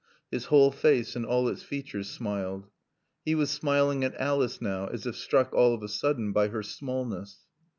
His whole face and all its features smiled. He was smiling at Alice now, as if struck all of a sudden by her smallness.